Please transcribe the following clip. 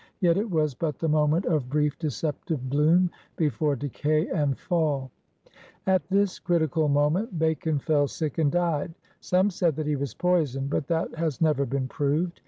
Yet it was but the moment of brief, deceptive bloom before decay and fall. At this critical moment Bacon f eU sick and died. Some said that he was poisoned, but that has never been proved.